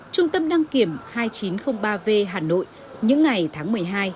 trung tâm đăng kiểm hai nghìn chín trăm linh ba v hà nội những ngày tháng một mươi hai